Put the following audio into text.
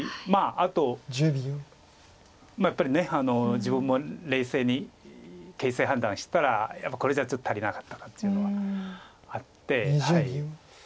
あとやっぱり自分も冷静に形勢判断したらやっぱりこれじゃちょっと足りなかったかっていうのはあって。